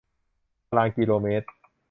ตารางกิโลเมตร